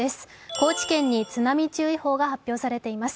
高知県に津波注意報が発表されています。